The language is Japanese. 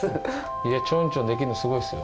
いやちょんちょんできんのすごいっすよ。